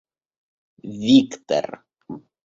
Виктор